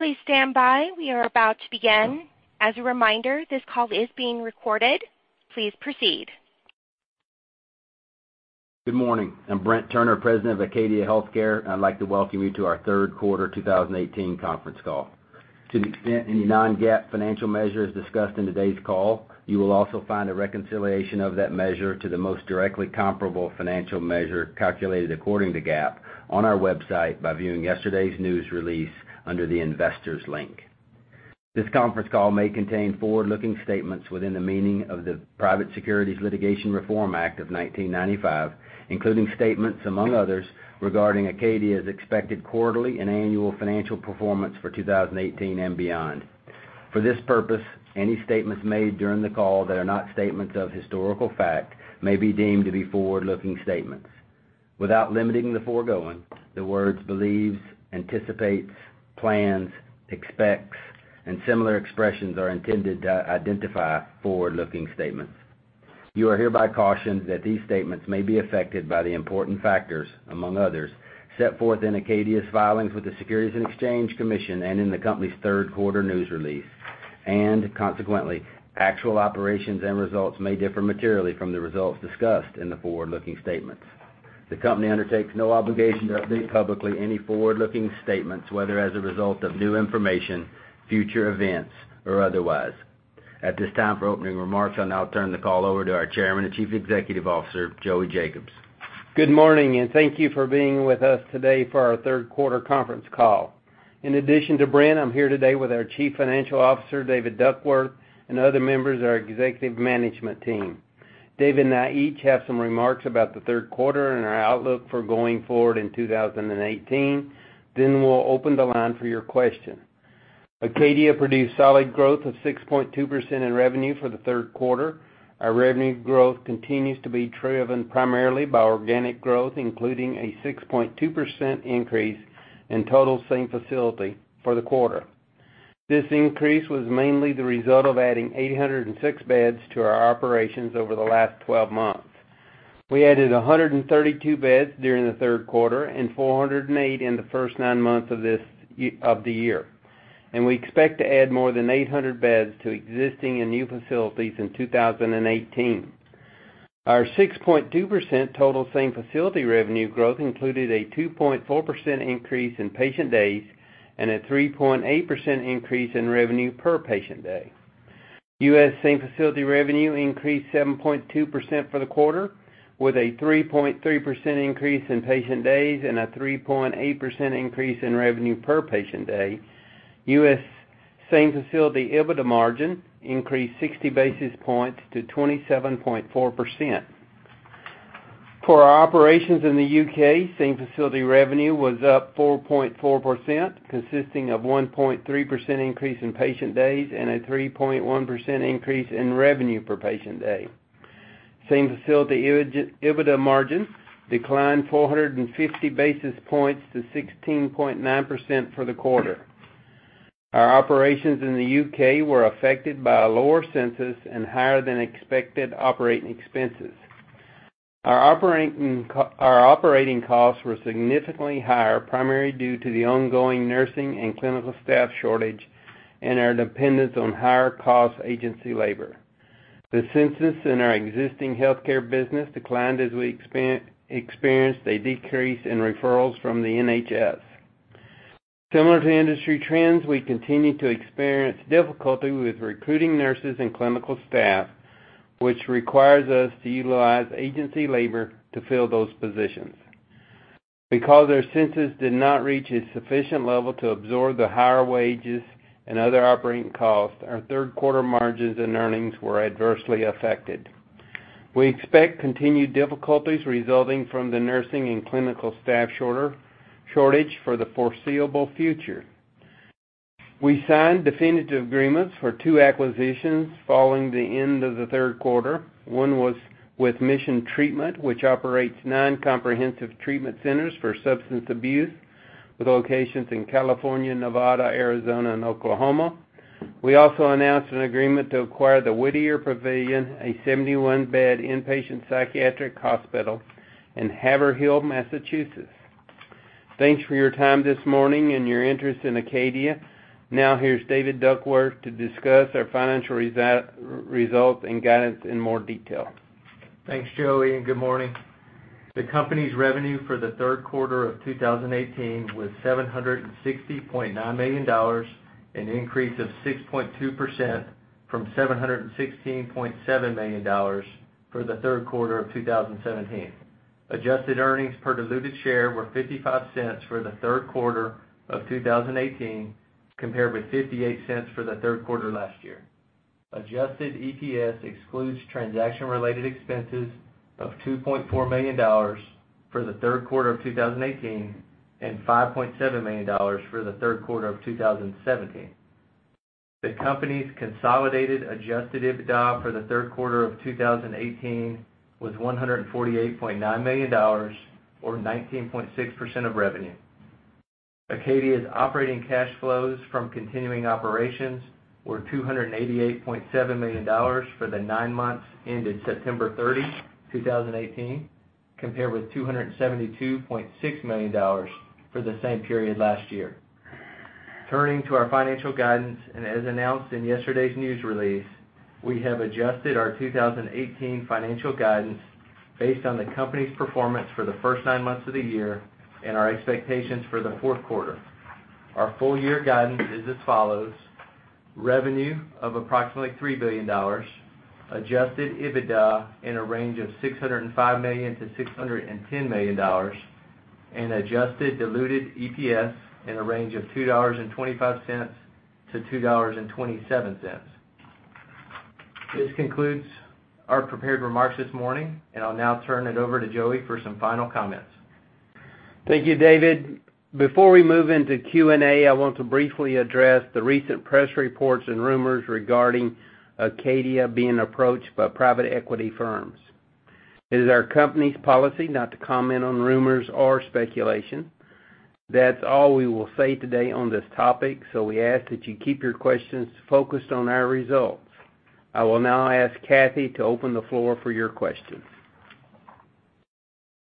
Please stand by. We are about to begin. As a reminder, this call is being recorded. Please proceed. Good morning. I'm Brent Turner, president of Acadia Healthcare. I'd like to welcome you to our third quarter 2018 conference call. To the extent any non-GAAP financial measure is discussed in today's call, you will also find a reconciliation of that measure to the most directly comparable financial measure calculated according to GAAP on our website by viewing yesterday's news release under the Investors link. This conference call may contain forward-looking statements within the meaning of the Private Securities Litigation Reform Act of 1995, including statements among others regarding Acadia's expected quarterly and annual financial performance for 2018 and beyond. For this purpose, any statements made during the call that are not statements of historical fact may be deemed to be forward-looking statements. Without limiting the foregoing, the words believes, anticipates, plans, expects, and similar expressions are intended to identify forward-looking statements. You are hereby cautioned that these statements may be affected by the important factors, among others, set forth in Acadia's filings with the Securities and Exchange Commission and in the company's third-quarter news release, and consequently, actual operations and results may differ materially from the results discussed in the forward-looking statements. The company undertakes no obligation to update publicly any forward-looking statements, whether as a result of new information, future events, or otherwise. At this time, for opening remarks, I'll now turn the call over to our Chairman and Chief Executive Officer, Joey Jacobs. Good morning, and thank you for being with us today for our third quarter conference call. In addition to Brent, I'm here today with our Chief Financial Officer, David Duckworth, and other members of our executive management team. David and I each have some remarks about the third quarter and our outlook for going forward in 2018. Then we'll open the line for your question. Acadia produced solid growth of 6.2% in revenue for the third quarter. Our revenue growth continues to be driven primarily by organic growth, including a 6.2% increase in total same-facility for the quarter. This increase was mainly the result of adding 806 beds to our operations over the last 12 months. We added 132 beds during the third quarter and 408 in the first nine months of the year. We expect to add more than 800 beds to existing and new facilities in 2018. Our 6.2% total same-facility revenue growth included a 2.4% increase in patient days and a 3.8% increase in revenue per patient day. U.S. same-facility revenue increased 7.2% for the quarter, with a 3.3% increase in patient days and a 3.8% increase in revenue per patient day. U.S. same-facility EBITDA margin increased 60 basis points to 27.4%. For our operations in the U.K., same-facility revenue was up 4.4%, consisting of 1.3% increase in patient days and a 3.1% increase in revenue per patient day. Same-facility EBITDA margin declined 450 basis points to 16.9% for the quarter. Our operations in the U.K. were affected by a lower census and higher than expected operating expenses. Our operating costs were significantly higher, primarily due to the ongoing nursing and clinical staff shortage and our dependence on higher-cost agency labor. The census in our existing healthcare business declined as we experienced a decrease in referrals from the NHS. Similar to industry trends, we continue to experience difficulty with recruiting nurses and clinical staff, which requires us to utilize agency labor to fill those positions. Because our census did not reach a sufficient level to absorb the higher wages and other operating costs, our third quarter margins and earnings were adversely affected. We expect continued difficulties resulting from the nursing and clinical staff shortage for the foreseeable future. We signed definitive agreements for two acquisitions following the end of the third quarter. One was with Mission Treatment, which operates nine comprehensive treatment centers for substance abuse, with locations in California, Nevada, Arizona, and Oklahoma. We also announced an agreement to acquire the Whittier Pavilion, a 71-bed inpatient psychiatric hospital in Haverhill, Massachusetts. Thanks for your time this morning and your interest in Acadia. Now, here's David Duckworth to discuss our financial results and guidance in more detail. Thanks, Joey, good morning. The company's revenue for the third quarter of 2018 was $760.9 million, an increase of 6.2% from $716.7 million for the third quarter of 2017. Adjusted earnings per diluted share were $0.55 for the third quarter of 2018, compared with $0.58 for the third quarter last year. Adjusted EPS excludes transaction-related expenses of $2.4 million for the third quarter of 2018 and $5.7 million for the third quarter of 2017. The company's consolidated adjusted EBITDA for the third quarter of 2018 was $148.9 million or 19.6% of revenue. Acadia's operating cash flows from continuing operations were $288.7 million for the nine months ended September 30, 2018. Compared with $272.6 million for the same period last year. Turning to our financial guidance, as announced in yesterday's news release, we have adjusted our 2018 financial guidance based on the company's performance for the first nine months of the year and our expectations for the fourth quarter. Our full-year guidance is as follows: revenue of approximately $3 billion, adjusted EBITDA in a range of $605 million-$610 million, and adjusted diluted EPS in a range of $2.25-$2.27. This concludes our prepared remarks this morning, I'll now turn it over to Joey for some final comments. Thank you, David. Before we move into Q&A, I want to briefly address the recent press reports and rumors regarding Acadia being approached by private equity firms. It is our company's policy not to comment on rumors or speculation. That's all we will say today on this topic, We ask that you keep your questions focused on our results. I will now ask Kathy to open the floor for your questions.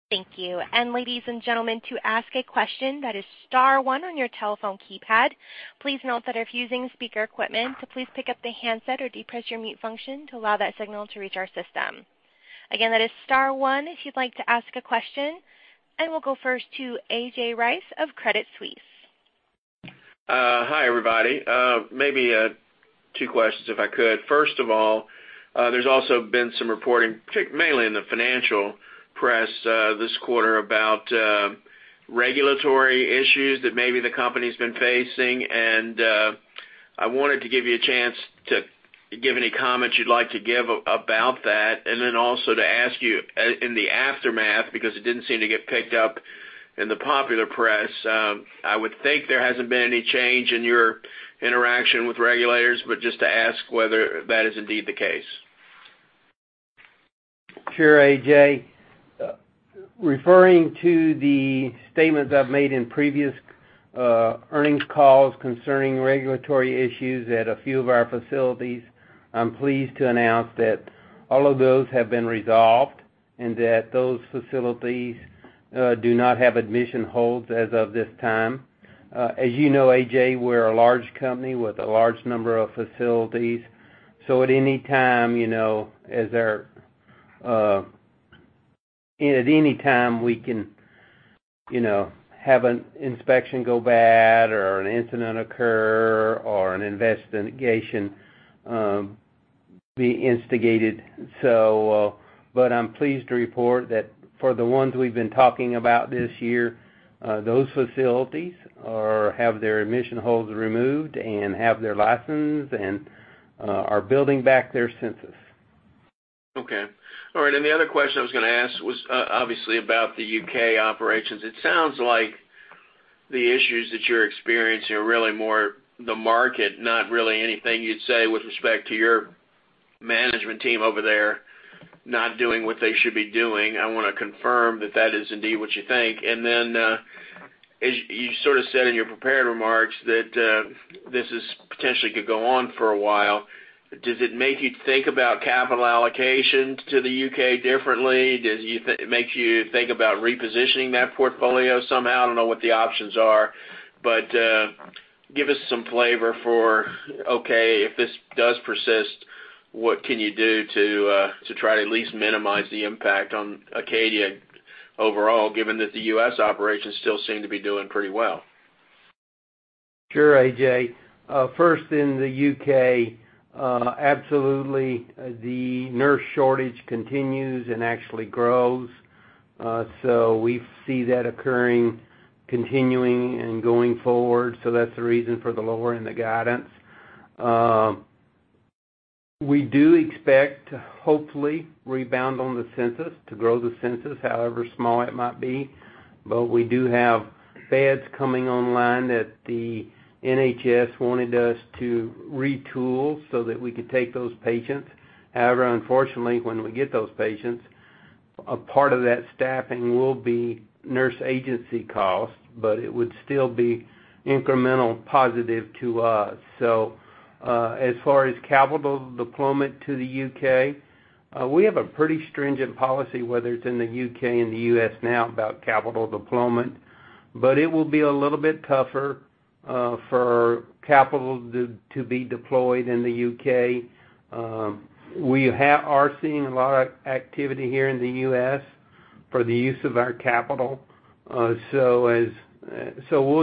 Thank you. Ladies and gentlemen, to ask a question, that is star one on your telephone keypad. Please note that if using speaker equipment, to please pick up the handset or depress your mute function to allow that signal to reach our system. Again, that is star one if you'd like to ask a question. We'll go first to A.J. Rice of Credit Suisse. Hi, everybody. Maybe two questions if I could. First of all, there's also been some reporting, mainly in the financial press this quarter, about regulatory issues that maybe the company's been facing. I wanted to give you a chance to give any comments you'd like to give about that, Also to ask you in the aftermath, because it didn't seem to get picked up in the popular press. I would think there hasn't been any change in your interaction with regulators, Just to ask whether that is indeed the case. Sure, A.J. Referring to the statements I've made in previous earnings calls concerning regulatory issues at a few of our facilities, I'm pleased to announce that all of those have been resolved and that those facilities do not have admission holds as of this time. As you know, A.J., we're a large company with a large number of facilities. At any time, we can have an inspection go bad or an incident occur or an investigation be instigated. I'm pleased to report that for the ones we've been talking about this year, those facilities have their admission holds removed and have their license and are building back their census. Okay. All right, the other question I was going to ask was obviously about the U.K. operations. It sounds like the issues that you're experiencing are really more the market, not really anything you'd say with respect to your management team over there not doing what they should be doing. I want to confirm that that is indeed what you think. Then, as you sort of said in your prepared remarks, that this potentially could go on for a while. Does it make you think about capital allocation to the U.K. differently? Does it make you think about repositioning that portfolio somehow? I don't know what the options are, but give us some flavor for, okay, if this does persist, what can you do to try to at least minimize the impact on Acadia overall, given that the U.S. operations still seem to be doing pretty well? Sure, A.J. First in the U.K., absolutely the nurse shortage continues and actually grows. We see that occurring, continuing, and going forward. That's the reason for the lowering of the guidance. We do expect to hopefully rebound on the census, to grow the census, however small it might be. We do have beds coming online that the NHS wanted us to retool so that we could take those patients. However, unfortunately, when we get those patients, a part of that staffing will be nurse agency costs, it would still be incremental positive to us. As far as capital deployment to the U.K., we have a pretty stringent policy, whether it's in the U.K. and the U.S. now, about capital deployment. It will be a little bit tougher for capital to be deployed in the U.K. We are seeing a lot of activity here in the U.S. for the use of our capital. We'll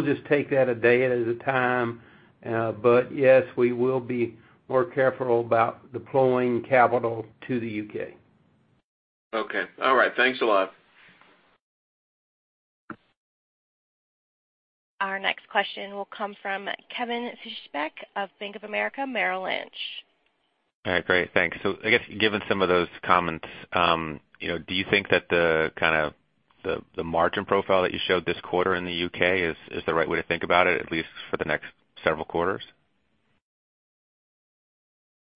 just take that a day at a time. Yes, we will be more careful about deploying capital to the U.K. Okay. All right. Thanks a lot. Our next question will come from Kevin Fischbeck of Bank of America Merrill Lynch. All right. Great. Thanks. I guess given some of those comments, do you think that the kind of the margin profile that you showed this quarter in the U.K. is the right way to think about it, at least for the next several quarters?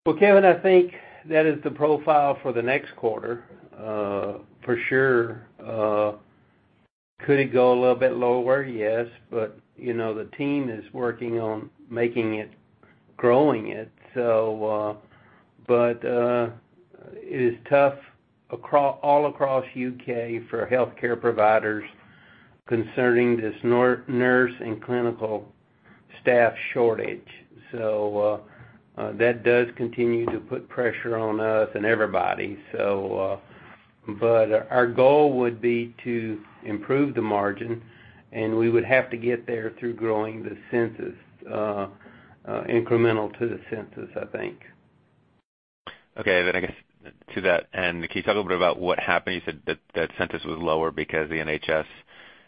Well, Kevin, I think that is the profile for the next quarter for sure. Could it go a little bit lower? Yes, the team is working on making it, growing it. It is tough all across U.K. for healthcare providers concerning this nurse and clinical staff shortage. That does continue to put pressure on us and everybody. Our goal would be to improve the margin, and we would have to get there through growing the census, incremental to the census, I think. Okay. I guess to that end, can you talk a little bit about what happened? You said that census was lower because the NHS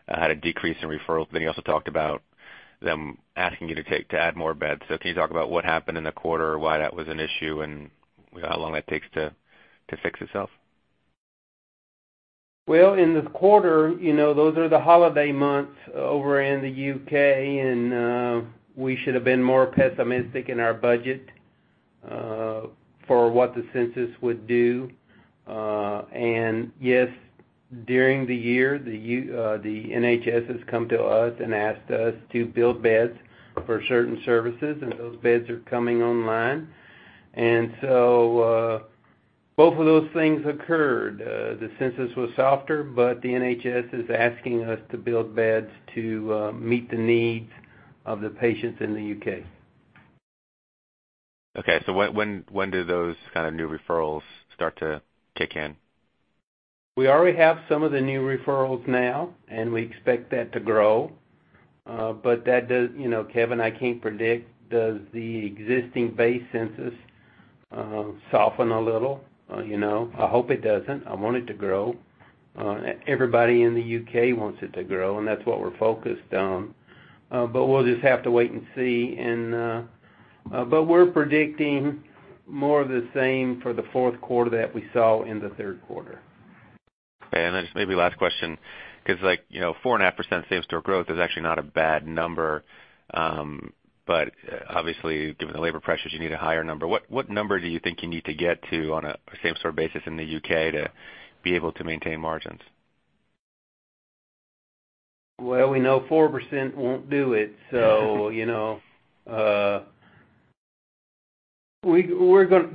had a decrease in referrals. You also talked about them asking you to add more beds. Can you talk about what happened in the quarter, why that was an issue, and how long that takes to fix itself? In this quarter, those are the holiday months over in the U.K., and we should have been more pessimistic in our budget for what the census would do. Yes, during the year, the NHS has come to us and asked us to build beds for certain services, and those beds are coming online. Both of those things occurred. The census was softer, but the NHS is asking us to build beds to meet the needs of the patients in the U.K. Okay. When do those kind of new referrals start to kick in? We already have some of the new referrals now, and we expect that to grow. Kevin, I can't predict. Does the existing base census soften a little? I hope it doesn't. I want it to grow. Everybody in the U.K. wants it to grow, and that's what we're focused on. We'll just have to wait and see. We're predicting more of the same for the fourth quarter that we saw in the third quarter. Just maybe last question, because 4.5% same-store growth is actually not a bad number. Obviously, given the labor pressures, you need a higher number. What number do you think you need to get to on a same-store basis in the U.K. to be able to maintain margins? Well, we know 4% won't do it.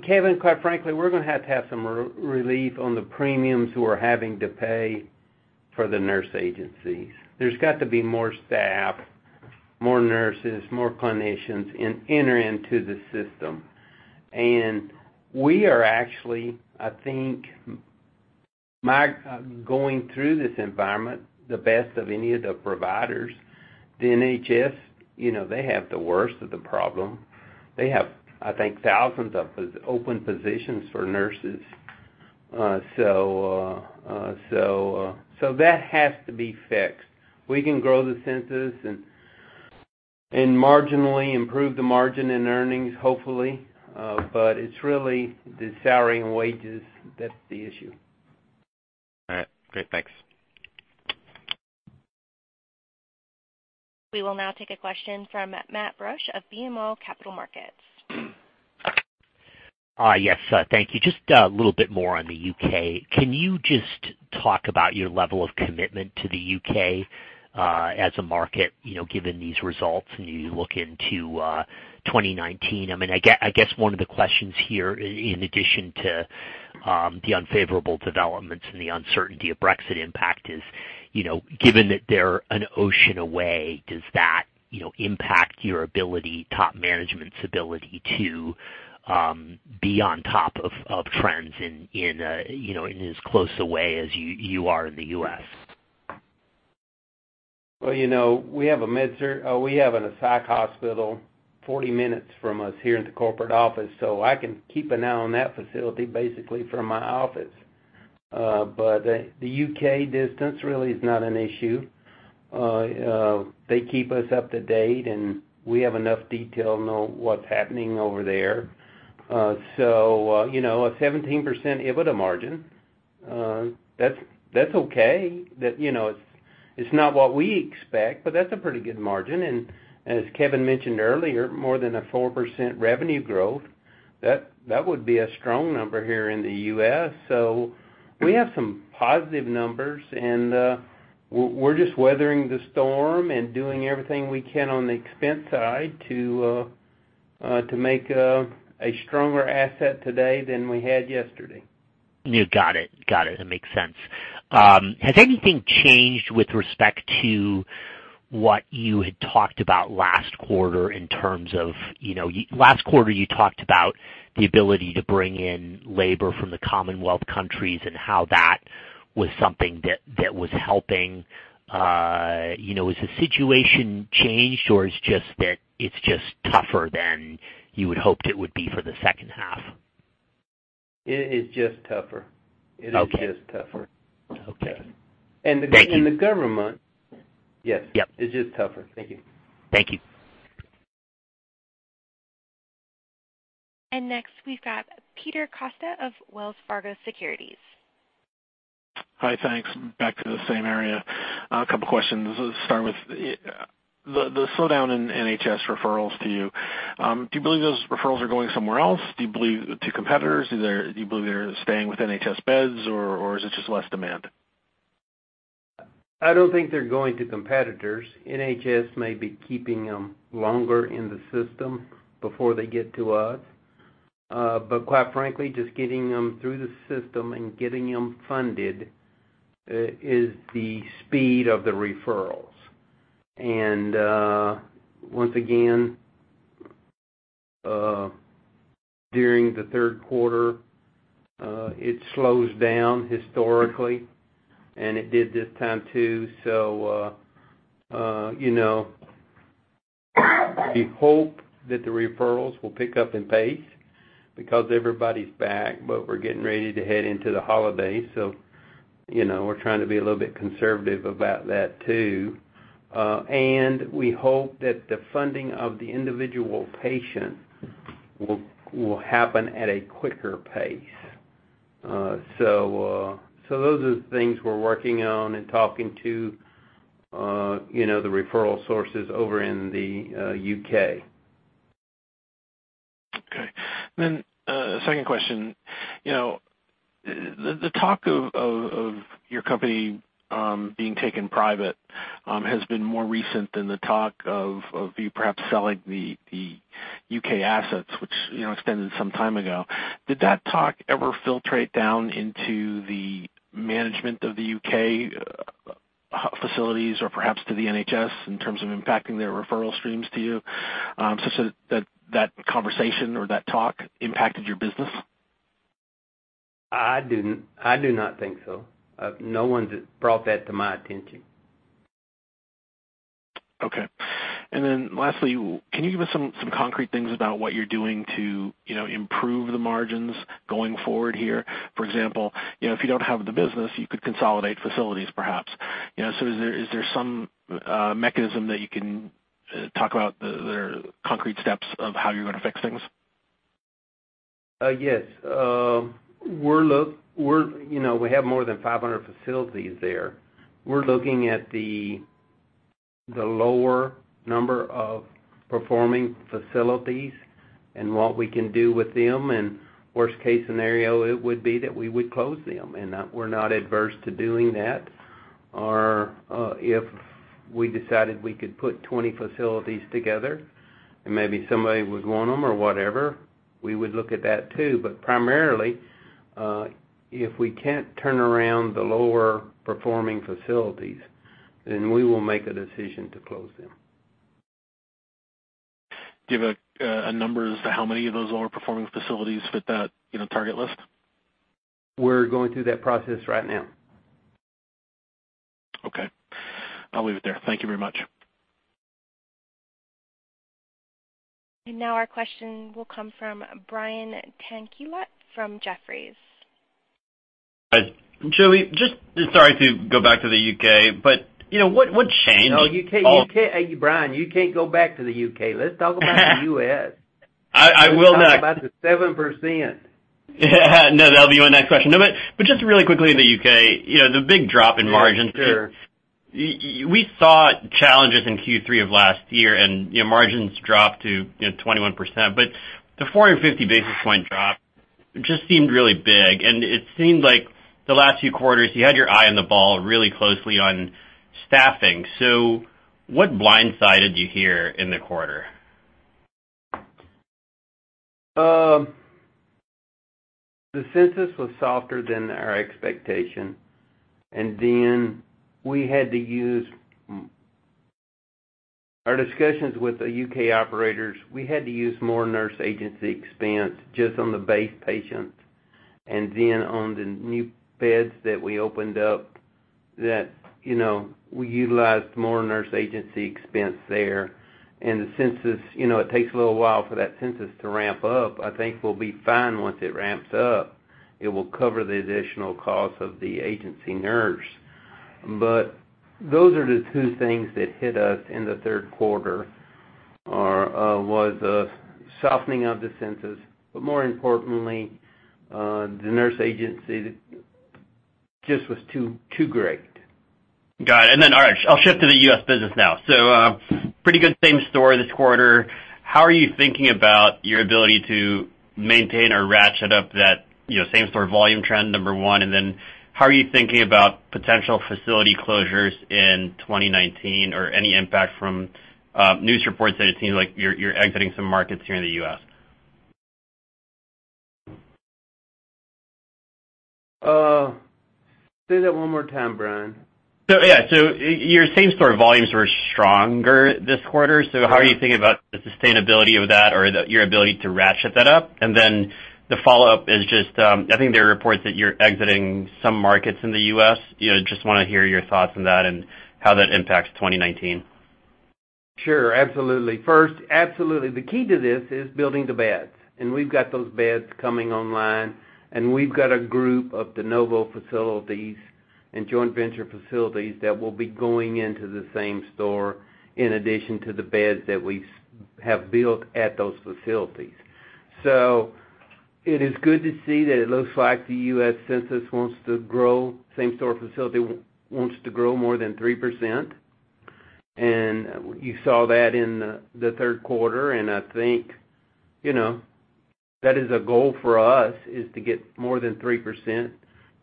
Kevin, quite frankly, we're going to have to have some relief on the premiums we're having to pay for the nurse agencies. There's got to be more staff, more nurses, more clinicians entering into the system. We are actually, I think, going through this environment the best of any of the providers. The NHS, they have the worst of the problem. They have, I think, thousands of open positions for nurses. That has to be fixed. We can grow the census and marginally improve the margin and earnings, hopefully. It's really the salary and wages that's the issue. All right. Great. Thanks. We will now take a question from Matthew Borsch of BMO Capital Markets. Yes. Thank you. Just a little bit more on the U.K. Can you just talk about your level of commitment to the U.K. as a market, given these results and you look into 2019? I guess one of the questions here, in addition to the unfavorable developments and the uncertainty of Brexit impact is, given that they're an ocean away, does that impact your ability, top management's ability to be on top of trends in as close a way as you are in the U.S.? Well, we have a psych hospital 40 minutes from us here at the corporate office, so I can keep an eye on that facility basically from my office. The U.K. distance really is not an issue. They keep us up to date, and we have enough detail to know what's happening over there. A 17% EBITDA margin, that's okay. It's not what we expect, but that's a pretty good margin. As Kevin mentioned earlier, more than a 4% revenue growth. That would be a strong number here in the U.S. We have some positive numbers, and we're just weathering the storm and doing everything we can on the expense side to make a stronger asset today than we had yesterday. Got it. That makes sense. Has anything changed with respect to what you had talked about last quarter? Last quarter you talked about the ability to bring in labor from the Commonwealth countries and how that was something that was helping. Has the situation changed, or it's just that it's just tougher than you had hoped it would be for the second half? It is just tougher. Okay. It is just tougher. Okay. Thank you. The government Yes. Yep. It's just tougher. Thank you. Thank you. Next, we've got Peter Costa of Wells Fargo Securities. Hi, thanks. Back to the same area. A couple questions to start with. The slowdown in NHS referrals to you Do you believe those referrals are going somewhere else? Do you believe to competitors? Do you believe they're staying with NHS beds or is it just less demand? I don't think they're going to competitors. NHS may be keeping them longer in the system before they get to us. Quite frankly, just getting them through the system and getting them funded is the speed of the referrals. Once again, during the third quarter, it slows down historically, and it did this time too. We hope that the referrals will pick up in pace because everybody's back, but we're getting ready to head into the holidays. We're trying to be a little bit conservative about that too. We hope that the funding of the individual patient will happen at a quicker pace. Those are the things we're working on and talking to the referral sources over in the U.K. Okay. Second question. The talk of your company being taken private has been more recent than the talk of you perhaps selling the U.K. assets, which extended some time ago. Did that talk ever filtrate down into the management of the U.K. facilities or perhaps to the NHS in terms of impacting their referral streams to you? Should that conversation or that talk impacted your business? I do not think so. No one's brought that to my attention. Okay. Lastly, can you give us some concrete things about what you're doing to improve the margins going forward here? For example, if you don't have the business, you could consolidate facilities perhaps. Is there some mechanism that you can talk about that are concrete steps of how you're going to fix things? Yes. We have more than 500 facilities there. We're looking at the lower number of performing facilities and what we can do with them. Worst case scenario, it would be that we would close them, and we're not adverse to doing that. If we decided we could put 20 facilities together and maybe somebody would want them or whatever, we would look at that too. Primarily, if we can't turn around the lower performing facilities, then we will make a decision to close them. Do you have a number as to how many of those lower performing facilities fit that target list? We're going through that process right now. Okay. I'll leave it there. Thank you very much. Now our question will come from Brian Tanquilut from Jefferies. Hi. Joey, sorry to go back to the U.K., what changed? No, you can't. Brian, you can't go back to the U.K. Let's talk about the U.S. I will not. Let's talk about the 7%. No, that'll be my next question. No, just really quickly on the U.K. The big drop in margins- Sure We saw challenges in Q3 of last year and margins dropped to 21%, the 450 basis point drop just seemed really big. It seemed like the last few quarters, you had your eye on the ball really closely on staffing. What blindsided you here in the quarter? The census was softer than our expectation, our discussions with the U.K. operators, we had to use more nurse agency expense just on the base patients. On the new beds that we opened up, we utilized more nurse agency expense there. It takes a little while for that census to ramp up. I think we'll be fine once it ramps up. It will cover the additional cost of the agency nurse. Those are the two things that hit us in the third quarter, was the softening of the census, but more importantly, the nurse agency just was too great. Got it. I'll shift to the U.S. business now. Pretty good same store this quarter. How are you thinking about your ability to maintain or ratchet up that same store volume trend, number one, and then how are you thinking about potential facility closures in 2019 or any impact from news reports that it seems like you're exiting some markets here in the U.S.? Say that one more time, Brian. Yeah. Your same store volumes were stronger this quarter, how are you thinking about the sustainability of that or your ability to ratchet that up? The follow-up is just, I think there are reports that you're exiting some markets in the U.S. Just want to hear your thoughts on that and how that impacts 2019. Sure. Absolutely. First, absolutely, the key to this is building the beds, and we've got those beds coming online, and we've got a group of de novo facilities and joint venture facilities that will be going into the same store in addition to the beds that we have built at those facilities. It is good to see that it looks like the U.S. census wants to grow, same store facility wants to grow more than 3%. You saw that in the third quarter, I think that is a goal for us, is to get more than 3%,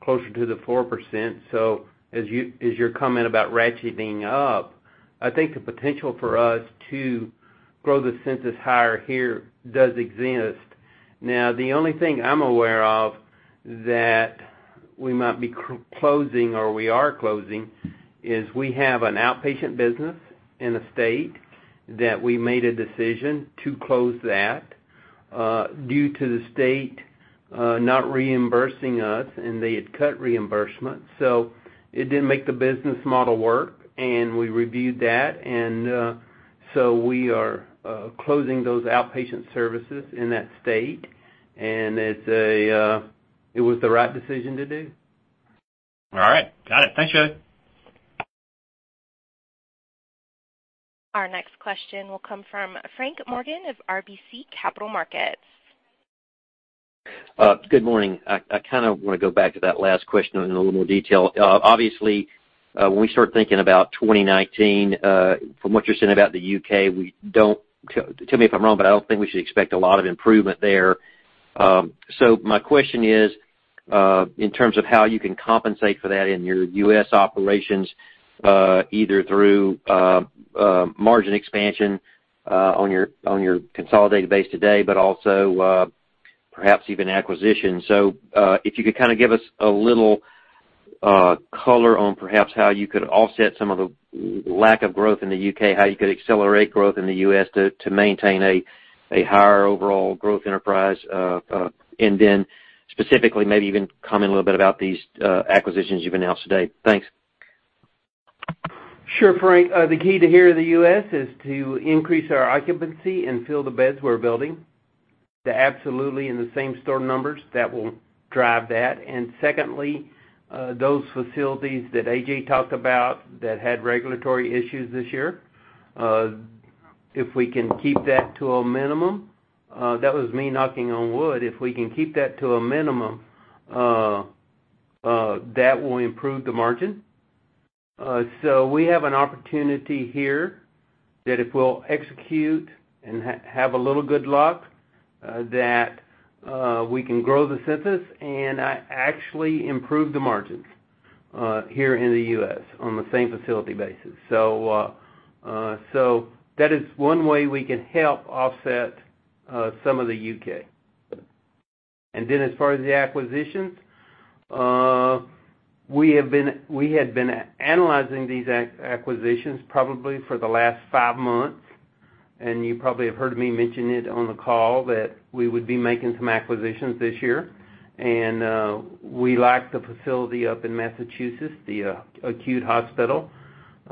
closer to the 4%. As your comment about ratcheting up, I think the potential for us to grow the census higher here does exist. The only thing I'm aware of that we might be closing or we are closing is we have an outpatient business in a state that we made a decision to close that due to the state not reimbursing us, and they had cut reimbursement. It didn't make the business model work, and we reviewed that. We are closing those outpatient services in that state, and it was the right decision to do. All right. Got it. Thanks, Joey. Our next question will come from Frank Morgan of RBC Capital Markets. Good morning. I kind of want to go back to that last question in a little more detail. Obviously, when we start thinking about 2019, from what you're saying about the U.K., tell me if I'm wrong, but I don't think we should expect a lot of improvement there. My question is, in terms of how you can compensate for that in your U.S. operations either through margin expansion on your consolidated base today, but also perhaps even acquisition. If you could kind of give us a little color on perhaps how you could offset some of the lack of growth in the U.K., how you could accelerate growth in the U.S. to maintain a higher overall growth enterprise. Specifically maybe even comment a little bit about these acquisitions you've announced today. Thanks. Sure, Frank. The key to here in the U.S. is to increase our occupancy and fill the beds we're building, to absolutely in the same store numbers that will drive that. Secondly, those facilities that A.J. talked about that had regulatory issues this year. If we can keep that to a minimum. That was me knocking on wood. If we can keep that to a minimum, that will improve the margin. We have an opportunity here that if we'll execute and have a little good luck, that we can grow the census and actually improve the margins here in the U.S. on the same facility basis. That is one way we can help offset some of the U.K. Then as far as the acquisitions, we had been analyzing these acquisitions probably for the last five months, you probably have heard me mention it on the call that we would be making some acquisitions this year. We liked the facility up in Massachusetts, the acute hospital.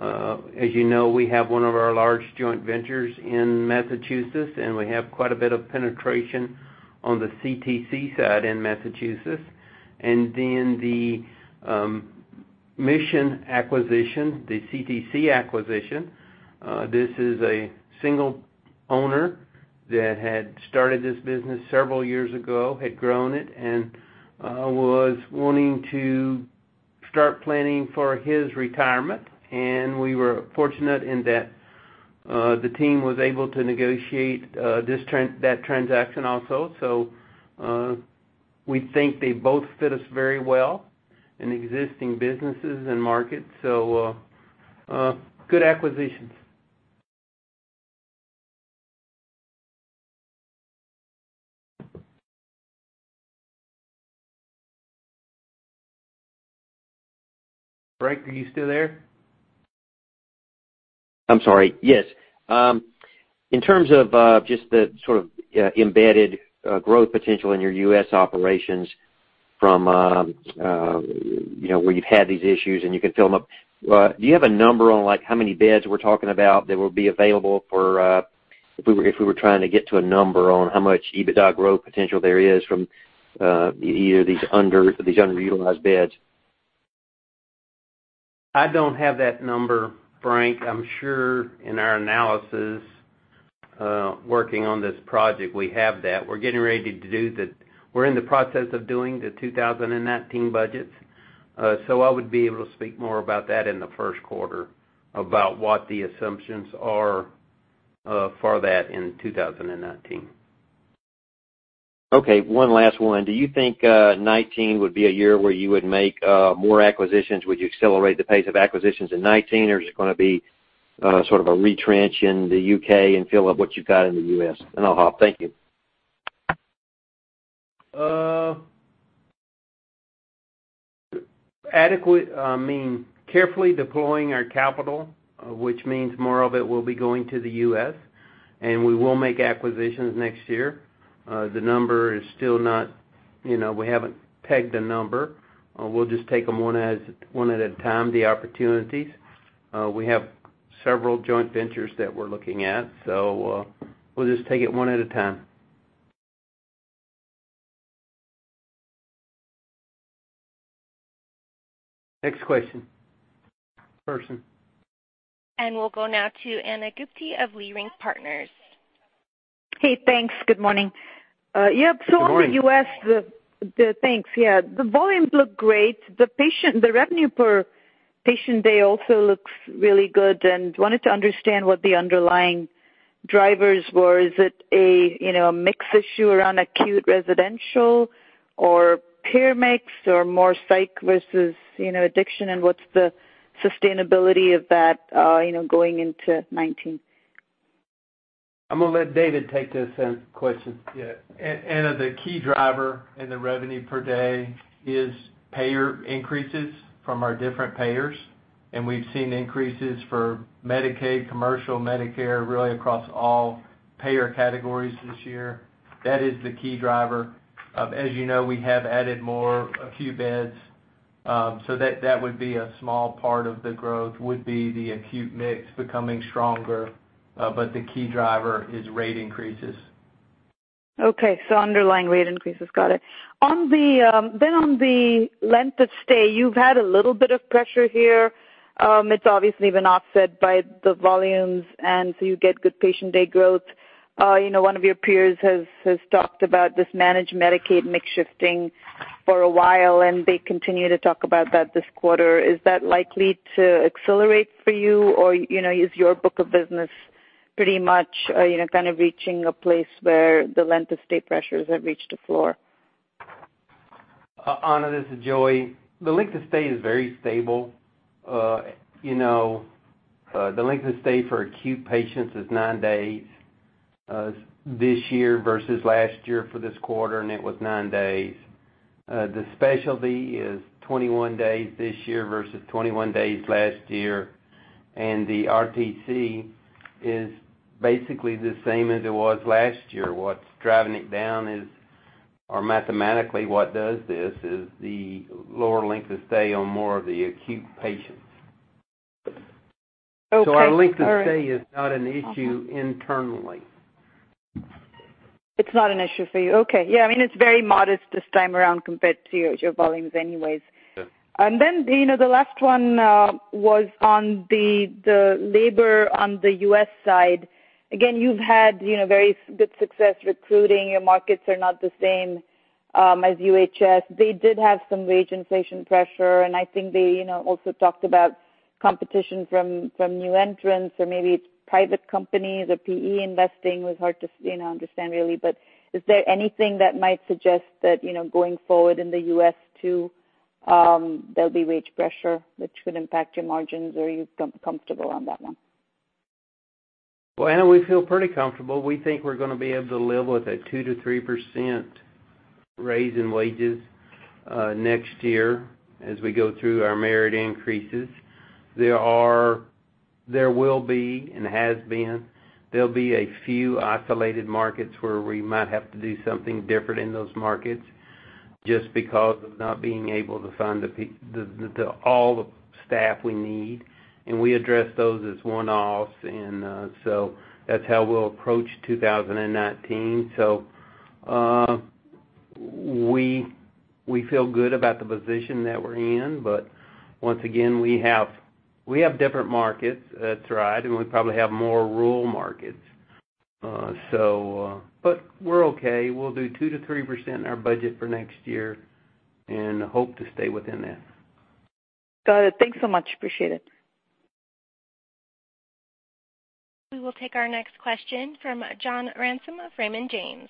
As you know, we have one of our large joint ventures in Massachusetts, we have quite a bit of penetration on the CTC side in Massachusetts. Then the Mission acquisition, the CTC acquisition, this is a single owner that had started this business several years ago, had grown it, was wanting to start planning for his retirement. We were fortunate in that the team was able to negotiate that transaction also. We think they both fit us very well in existing businesses and markets. Good acquisitions. Frank, are you still there? I'm sorry. Yes. In terms of just the sort of embedded growth potential in your U.S. operations from where you've had these issues and you can fill them up, do you have a number on how many beds we're talking about that will be available if we were trying to get to a number on how much EBITDA growth potential there is from either of these underutilized beds? I don't have that number, Frank. I'm sure in our analysis working on this project, we have that. We're in the process of doing the 2019 budgets. I would be able to speak more about that in the first quarter about what the assumptions are for that in 2019. Okay, one last one. Do you think 2019 would be a year where you would make more acquisitions? Would you accelerate the pace of acquisitions in 2019, or is it going to be sort of a retrench in the U.K. and fill up what you've got in the U.S.? I'll hop. Thank you. I mean, carefully deploying our capital, which means more of it will be going to the U.S., we will make acquisitions next year. We haven't pegged a number. We'll just take them one at a time, the opportunities. We have several joint ventures that we're looking at, so we'll just take it one at a time. Next question. Person. We'll go now to Ana Gupte of Leerink Partners. Hey, thanks. Good morning. Good morning. Yeah. On the U.S., thanks, yeah. The volumes look great. The revenue per patient day also looks really good. Wanted to understand what the underlying drivers were. Is it a mix issue around acute residential or peer mix or more psych versus addiction, and what's the sustainability of that going into 2019? I'm going to let David take this question. Yeah. Ana, the key driver in the revenue per day is payer increases from our different payers, and we've seen increases for Medicaid, commercial Medicare, really across all payer categories this year. That is the key driver. As you know, we have added more acute beds. That would be a small part of the growth, would be the acute mix becoming stronger. The key driver is rate increases. Underlying rate increases. Got it. On the length of stay, you've had a little bit of pressure here. It's obviously been offset by the volumes, you get good patient day growth. One of your peers has talked about this managed Medicaid mix shifting for a while, and they continue to talk about that this quarter. Is that likely to accelerate for you, or is your book of business pretty much kind of reaching a place where the length of stay pressures have reached the floor? Ana, this is Joey. The length of stay is very stable. The length of stay for acute patients is nine days this year versus last year for this quarter, and it was nine days. The specialty is 21 days this year versus 21 days last year. The RTC is basically the same as it was last year. What's driving it down is the lower length of stay on more of the acute patients. Okay. All right. Our length of stay is not an issue internally. It's not an issue for you. Okay. It's very modest this time around compared to your volumes anyways. Yeah. The last one was on the labor on the U.S. side. Again, you've had very good success recruiting. Your markets are not the same as UHS. They did have some wage inflation pressure, and I think they also talked about competition from new entrants or maybe it's private companies or PE investing, was hard to understand really. Is there anything that might suggest that going forward in the U.S. too, there'll be wage pressure which could impact your margins, or are you comfortable on that one? Well, Ana, we feel pretty comfortable. We think we're going to be able to live with a 2%-3% raise in wages next year as we go through our merit increases. There will be a few isolated markets where we might have to do something different in those markets just because of not being able to find all the staff we need, and we address those as one-offs. That's how we'll approach 2019. We feel good about the position that we're in, once again, we have different markets. That's right. We probably have more rural markets. We're okay. We'll do 2%-3% in our budget for next year and hope to stay within that. Got it. Thanks so much. Appreciate it. We will take our next question from John Ransom of Raymond James.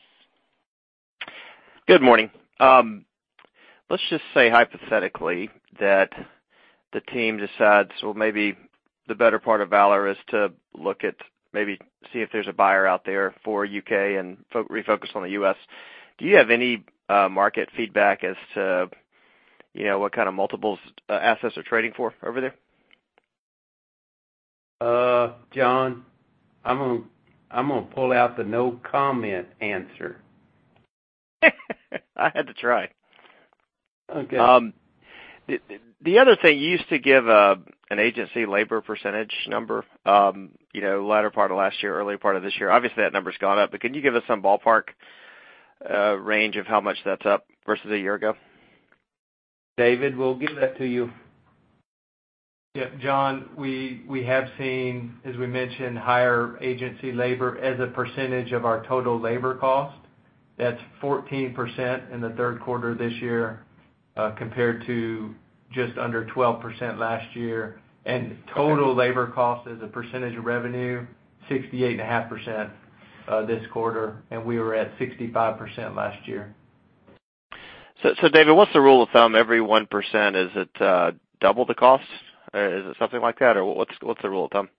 Good morning. Let's just say hypothetically that the team decides, well, maybe the better part of Valor is to look at maybe see if there's a buyer out there for U.K. and refocus on the U.S. Do you have any market feedback as to what kind of multiples assets are trading for over there? John, I'm going to pull out the "no comment" answer. I had to try. Okay. The other thing, you used to give an agency labor % number, latter part of last year, early part of this year. Obviously, that number's gone up, can you give us some ballpark range of how much that's up versus a year ago? David, we'll give that to you. Yeah. John, we have seen, as we mentioned, higher agency labor as a % of our total labor cost. That's 14% in the third quarter of this year, compared to just under 12% last year. Total labor cost as a % of revenue, 68.5% this quarter, and we were at 65% last year. David, what's the rule of thumb? Every 1%, is it double the cost? Is it something like that, or what's the rule of thumb?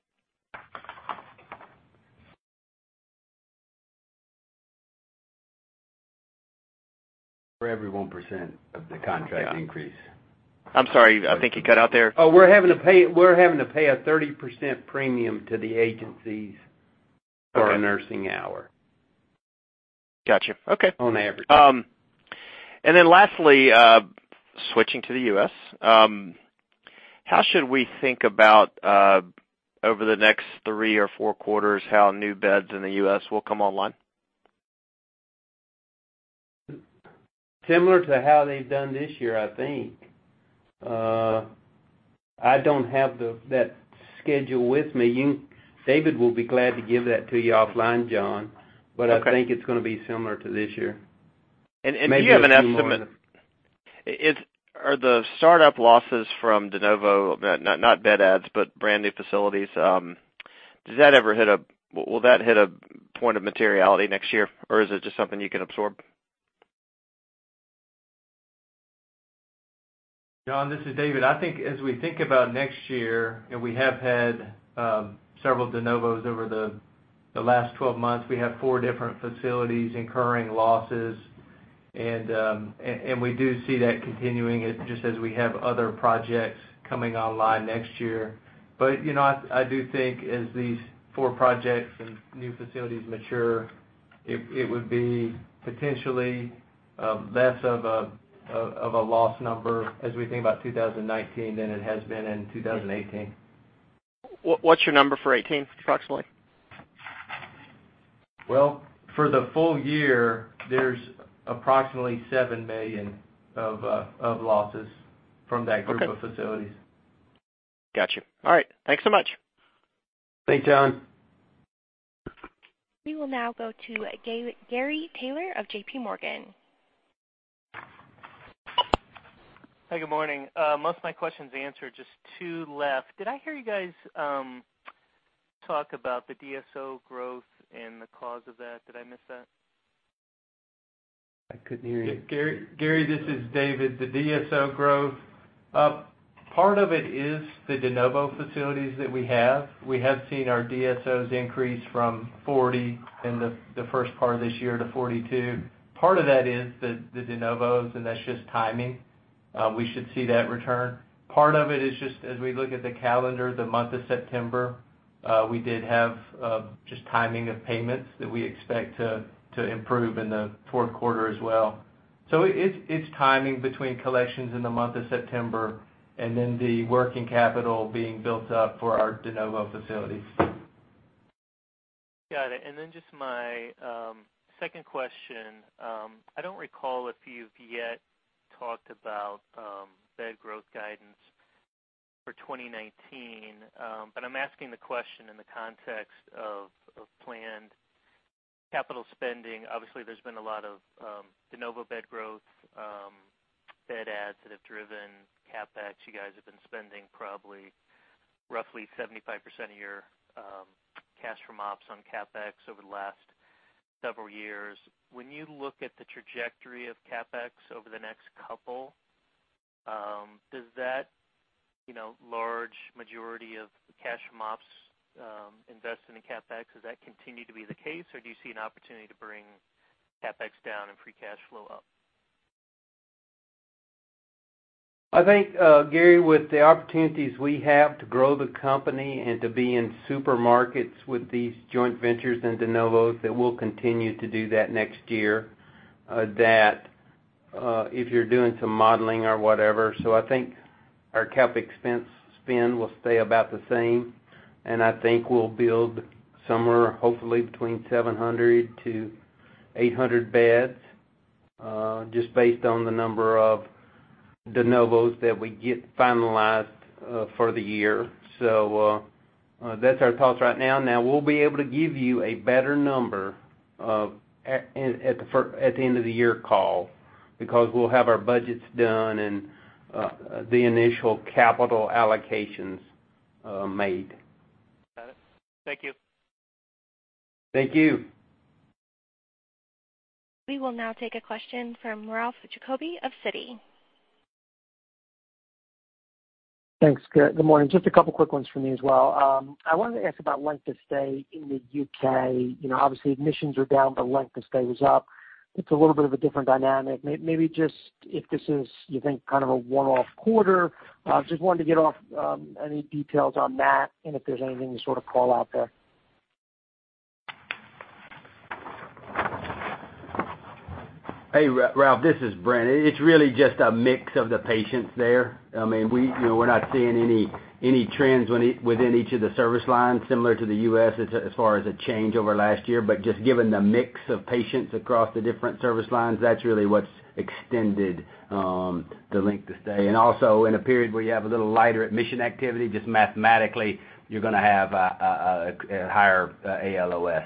For every 1% of the contract increase. I'm sorry, I think you cut out there. Oh, we're having to pay a 30% premium to the agencies for a nursing hour. Got you. Okay. On average. Lastly, switching to the U.S. How should we think about, over the next three or four quarters, how new beds in the U.S. will come online? Similar to how they've done this year, I think. I don't have that schedule with me. David will be glad to give that to you offline, John. Okay. I think it's going to be similar to this year. Do you have an estimate? Are the startup losses from de novo, not bed adds, but brand new facilities, will that hit a point of materiality next year, or is it just something you can absorb? John, this is David. I think as we think about next year, we have had several de novos over the last 12 months. We have 4 different facilities incurring losses, we do see that continuing just as we have other projects coming online next year. I do think as these 4 projects and new facilities mature, it would be potentially less of a loss number as we think about 2019 than it has been in 2018. What's your number for 2018, approximately? Well, for the full year, there's approximately $7 million of losses from that group of facilities. Okay. Got you. All right. Thanks so much. Thanks, John. We will now go to Gary Taylor of JPMorgan. Hi. Good morning. Most of my questions are answered, just two left. Did I hear you guys talk about the DSO growth and the cause of that? Did I miss that? I couldn't hear you. Gary, this is David. The DSO growth, part of it is the de novo facilities that we have. We have seen our DSOs increase from 40 in the first part of this year to 42. Part of that is the de novos, and that's just timing. We should see that return. Part of it is just as we look at the calendar, the month of September, we did have just timing of payments that we expect to improve in the fourth quarter as well. It's timing between collections in the month of September and then the working capital being built up for our de novo facilities. Then just my second question. I don't recall if you've yet talked about bed growth guidance for 2019, but I'm asking the question in the context of planned capital spending. Obviously, there's been a lot of de novo bed growth, bed adds that have driven CapEx. You guys have been spending probably roughly 75% of your cash from ops on CapEx over the last several years. When you look at the trajectory of CapEx over the next couple, does that large majority of cash from ops invested in CapEx, does that continue to be the case, or do you see an opportunity to bring CapEx down and free cash flow up? I think, Gary, with the opportunities we have to grow the company and to be in supermarkets with these joint ventures and de novos, that we'll continue to do that next year. That if you're doing some modeling or whatever. I think our CapEx spend will stay about the same, and I think we'll build somewhere hopefully between 700 to 800 beds, just based on the number of de novos that we get finalized for the year. That's our thoughts right now. We'll be able to give you a better number at the end of the year call because we'll have our budgets done and the initial capital allocations made. Got it. Thank you. Thank you. We will now take a question from Ralph Giacobbe of Citi. Thanks. Good morning. Just a couple quick ones from me as well. I wanted to ask about length of stay in the U.K. Obviously, admissions are down, but length of stay was up. It's a little bit of a different dynamic. Maybe just if this is, you think, kind of a one-off quarter. Just wanted to get any details on that and if there's anything to sort of call out there. Hey, Ralph, this is Brent. It's really just a mix of the patients there. We're not seeing any trends within each of the service lines similar to the U.S. as far as a change over last year. Just given the mix of patients across the different service lines, that's really what's extended the length of stay. Also, in a period where you have a little lighter admission activity, just mathematically, you're going to have a higher ALOS.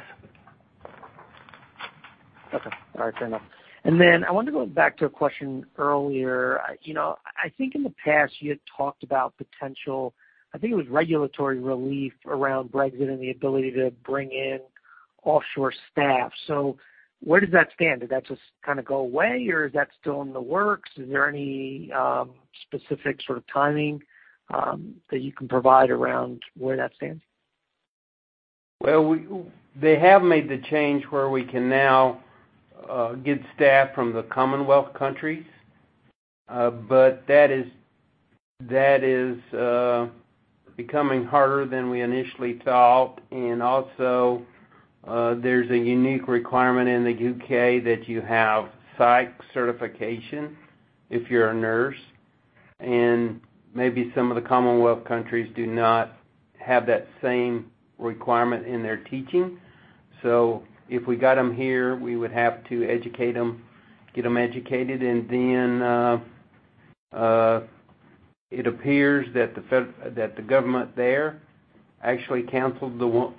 Okay. All right, fair enough. Then I wanted to go back to a question earlier. I think in the past you had talked about potential, I think it was regulatory relief around Brexit and the ability to bring in offshore staff. Where does that stand? Did that just kind of go away, or is that still in the works? Is there any specific sort of timing that you can provide around where that stands? Well, they have made the change where we can now get staff from the Commonwealth countries. That is becoming harder than we initially thought. Also, there's a unique requirement in the U.K. that you have psych certification if you're a nurse. Maybe some of the Commonwealth countries do not have that same requirement in their teaching. If we got them here, we would have to educate them, get them educated. Then it appears that the government there actually canceled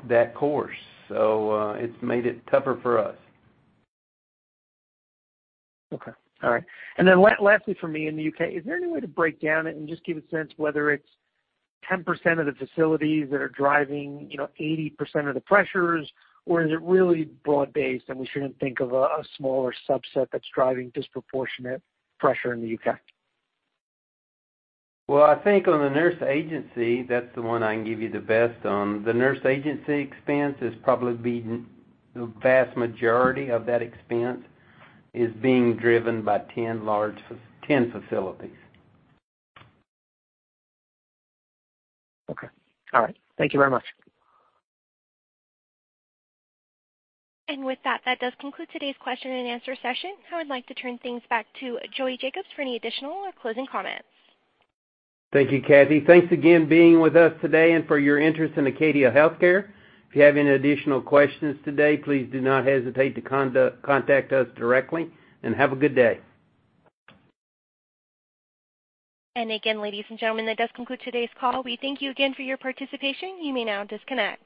that course. It's made it tougher for us. Okay. All right. Then lastly from me in the U.K., is there any way to break down it and just give a sense whether it's 10% of the facilities that are driving 80% of the pressures, or is it really broad-based and we shouldn't think of a smaller subset that's driving disproportionate pressure in the U.K.? Well, I think on the nurse agency, that's the one I can give you the best on. The nurse agency expense has probably been the vast majority of that expense is being driven by 10 facilities. Okay. All right. Thank you very much. With that does conclude today's question and answer session. I would like to turn things back to Joey Jacobs for any additional or closing comments. Thank you, Kathy. Thanks again being with us today and for your interest in Acadia Healthcare. If you have any additional questions today, please do not hesitate to contact us directly, and have a good day. Again, ladies and gentlemen, that does conclude today's call. We thank you again for your participation. You may now disconnect.